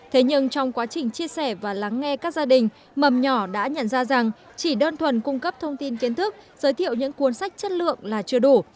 thế nhưng trong quá trình chia sẻ và lắng nghe các gia đình mầm nhỏ đã nhận ra rằng chỉ đơn thuần cung cấp thông tin kiến thức giới thiệu những cuốn sách chất lượng là chưa đủ